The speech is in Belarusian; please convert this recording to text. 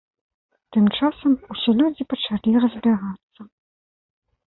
Тым часам усе людзі пачалі разбягацца.